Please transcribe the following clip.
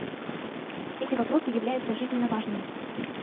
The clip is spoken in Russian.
Эти вопросы являются жизненно важными.